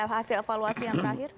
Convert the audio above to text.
hasil evaluasi yang terakhir